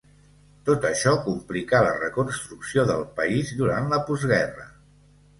Tot això complicà la reconstrucció del país durant la postguerra.